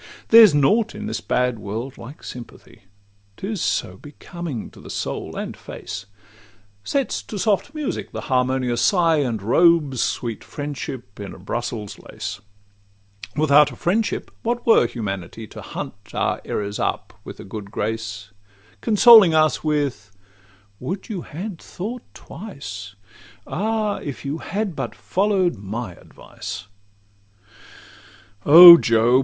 There's nought in this bad world like sympathy: 'Tis so becoming to the soul and face, Sets to soft music the harmonious sigh, And robes sweet friendship in a Brussels lace. Without a friend, what were humanity, To hunt our errors up with a good grace? Consoling us with—'Would you had thought twice! Ah, if you had but follow'd my advice!' O job!